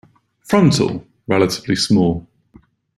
Frontal: Relatively small.